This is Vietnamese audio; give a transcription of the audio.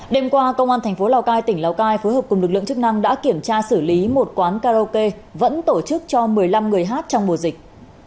đêm qua công an thành phố lào cai tỉnh lào cai phối hợp cùng lực lượng chức năng đã kiểm tra xử lý một quán karaoke vẫn tổ chức cho một mươi năm người hát trong mùa dịch